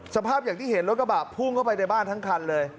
สภาพอย่างที่เห็นรถกระบะพุ่งเข้าไปในบ้านทั้งคันเลย